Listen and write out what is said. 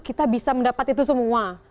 kita bisa mendapat itu semua